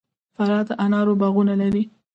فراه د انارو باغونه لري